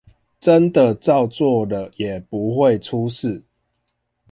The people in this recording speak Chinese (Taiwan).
真的照做了也不會出事